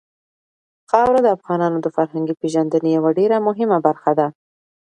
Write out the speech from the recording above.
خاوره د افغانانو د فرهنګي پیژندنې یوه ډېره مهمه برخه ده.